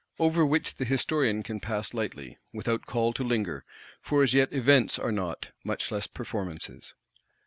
Over which the Historian can pass lightly, without call to linger: for as yet events are not, much less performances.